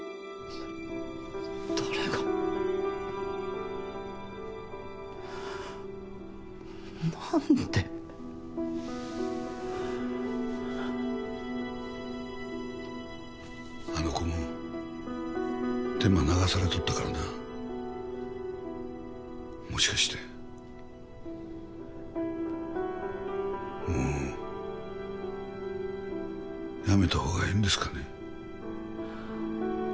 誰が何であの子もデマ流されとったからなもしかしてもうやめた方がええんですかね